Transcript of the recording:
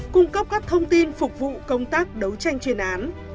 cung cấp các thông tin phục vụ công tác đấu tranh chuyên án